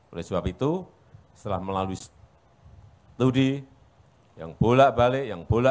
oleh sebab itu setelah melalui studi yang bolak balik